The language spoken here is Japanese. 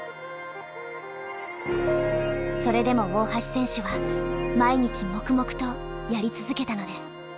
それでも大橋選手は毎日黙々とやり続けたのです。